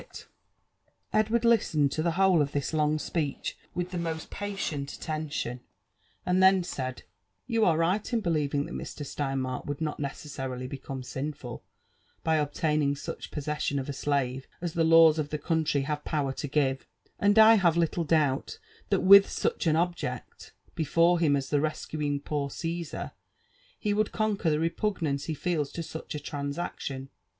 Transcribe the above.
Ml Edwar4 listened to the whole of this long speech with the most pa tient attention, and then said, *' You are right in believing that Mr. Steinmark would not neces^ sarily become sinful by obtaining such possession of a slave as the laws of the country have power to give ; and I have little doubt that with such an object before him as the rescuing poor Gassar, he would conquer the repugnance he feels to such a transaction.